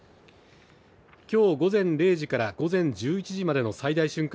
きょう午前０時から午前１１時までの最大瞬間